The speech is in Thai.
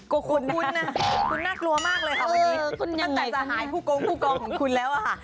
ก็คุณนะคุณน่ากลัวมากเลยค่ะวันนี้ตั้งแต่จะหายผู้กองผู้กองของคุณแล้วอะค่ะ